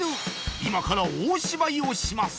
今から大芝居をします